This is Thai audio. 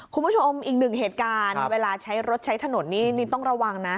คุณผู้ชมอีกหนึ่งเหตุการณ์เวลาใช้รถใช้ถนนนี่ต้องระวังนะ